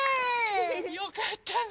よかったね！